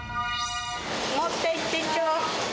持っていってちょ。